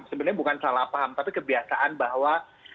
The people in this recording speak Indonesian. sebenarnya bukan salah paham tapi kebiasaan bahwa